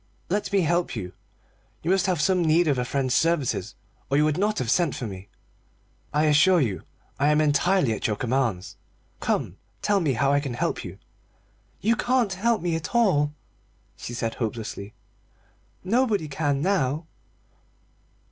Let me help you. You must have some need of a friend's services, or you would not have sent for me. I assure you I am entirely at your commands. Come, tell me how I can help you " "You can't help me at all," she said hopelessly, "nobody can now."